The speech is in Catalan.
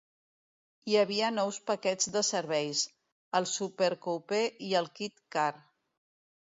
Hi havia nous paquets de serveis, el Super Coupe i el Kit Car.